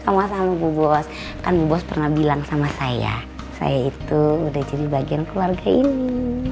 sama sama bu bos kan bu bos pernah bilang sama saya saya itu udah jadi bagian keluarga ini